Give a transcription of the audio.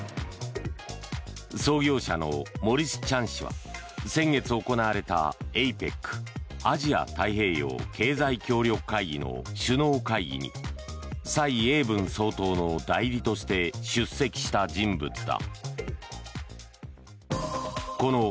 創業者のモリス・チャン氏は先月行われたＡＰＥＣ・アジア太平洋経済協力会議の首脳会議に蔡英文総統の代理として出席した人物だ。